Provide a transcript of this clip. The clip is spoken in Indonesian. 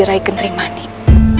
rai genring manik